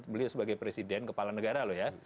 beliau sebagai presiden kepala negara loh ya